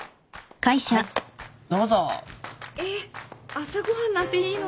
朝ご飯なんていいのに。